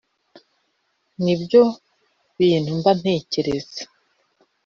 nibyo bintu mba ntekereza